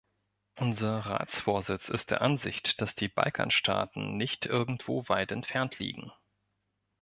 Unser Ratsvorsitz ist der Ansicht, dass die Balkanstaaten nicht irgendwo weit entfernt liegen.